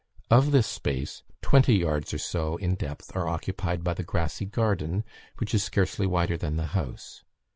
Of this space twenty yards or so in depth are occupied by the grassy garden, which is scarcely wider than the house.